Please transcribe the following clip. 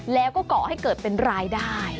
แล้วก็ก่อให้เกิดเป็นรายได้